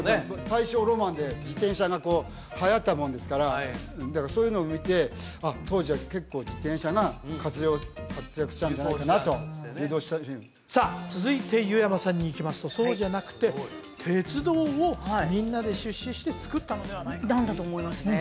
大正ロマンで自転車がこうはやったもんですからだからそういうのを見てあっ当時は結構自転車が活躍したんじゃないかなとさあ続いて湯山さんにいきますとそうじゃなくて鉄道をみんなで出資してつくったのではないかとなんだと思いますね